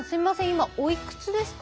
今おいくつですか？